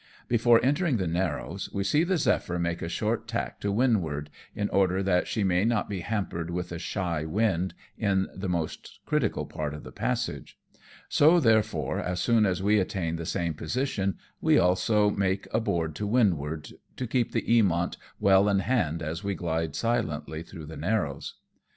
Before entering the narrows, we see the Zephyr make a short tack to windward, in order that she may not be hampered with a shy wind in the most critical RESCUING FUGITIVE CELESTIALS. 237 part of the passage ; so therefore, as soon as we attain the same position, we also make a board to windward, to keep the Eamont well in hand as we glide silently through the narrows.